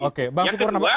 oke bang syukur nombor